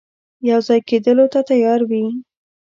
یو ځای کېدلو ته تیار وي.